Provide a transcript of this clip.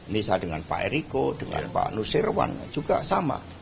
nisa dengan pak eriko dengan pak nusirwan juga sama